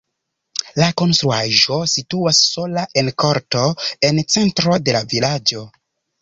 La konstruaĵo situas sola en korto en centro de la vilaĝo.